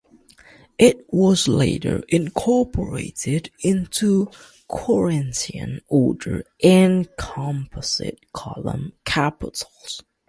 It was later incorporated into Corinthian order and Composite column capitals.